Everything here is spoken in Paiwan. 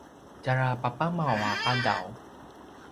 tjara papamaw a qadaw